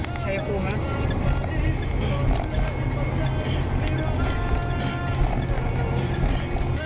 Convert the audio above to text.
ตรงไหนคันไหนมันผิดตรงเนี้ย